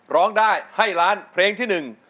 ร้องได้ให้ล้านเพลงที่๑